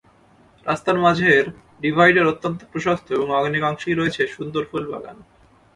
রাস্তার মাঝের ডিভাইডার অত্যন্ত প্রশস্ত এবং অনেক অংশেই রয়েছে সুন্দর ফুলবাগান।